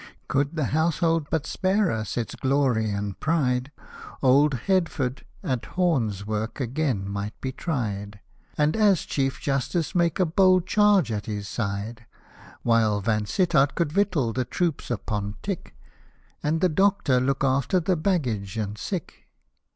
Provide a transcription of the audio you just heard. Could the Household but spare us its glory and pride. Old H — df — t at horn works again might be tried. And the Ch — f J — st — e make 2i bold charge dit his side : While V — ns — tt — t could victual the troops upon tick, And the Doctor look after the baggage and sick.